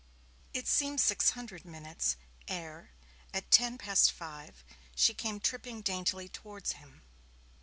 It seemed six hundred minutes, ere, at ten past five she came tripping daintily towards him.